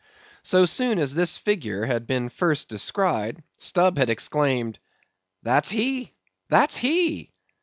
So soon as this figure had been first descried, Stubb had exclaimed—"That's he! that's he!